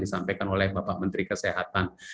disampaikan oleh bapak menteri kesehatan